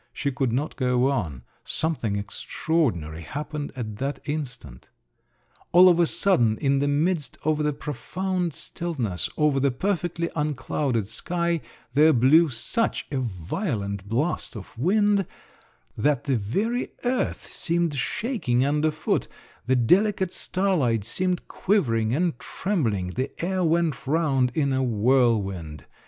She could not go on; something extraordinary happened at that instant. All of a sudden, in the midst of the profound stillness, over the perfectly unclouded sky, there blew such a violent blast of wind, that the very earth seemed shaking underfoot, the delicate starlight seemed quivering and trembling, the air went round in a whirlwind.